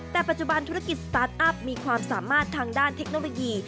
แต่ปัจจุบันธุรกิจสตาร์ทอัพมีความสามารถทางด้านเทคโนโลยี